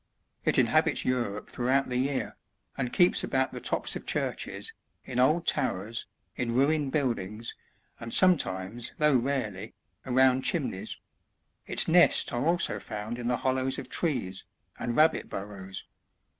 It inhabits Europe through out the year, and keeps about the tops of churches, in old towers, in ruined buildings, and sometimes, though rarely, around chim neys; its nests are also found in the hollows of trees, and rabbit burrows.